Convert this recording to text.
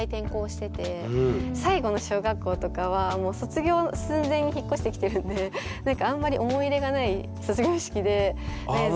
最後の小学校とかはもう卒業寸前に引っ越してきてるんで何かあんまり思い入れがない卒業式で。